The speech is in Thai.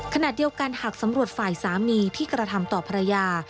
ขณะเดียวกันหากสำรวจฝ่ายสามีที่กระทำต่อภรรยา